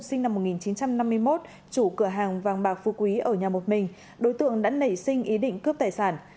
sinh năm một nghìn chín trăm năm mươi một chủ cửa hàng vàng bạc phu quý ở nhà một mình đối tượng đã nảy sinh ý định cướp tài sản